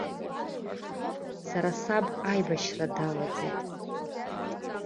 Сара саб аибашьра далаӡит.